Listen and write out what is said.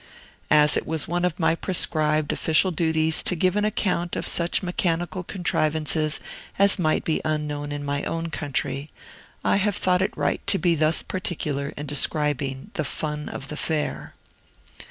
As it was one of my prescribed official duties to give an account of such mechanical contrivances as might be unknown in my own country, I have thought it right to be thus particular in describing the Fun of the Fair.